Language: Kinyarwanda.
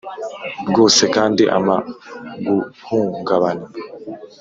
rwose kandi ampa guhungabana